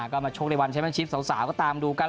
ก็มาชกในวันแชมป์ชิปสาวก็ตามดูกัน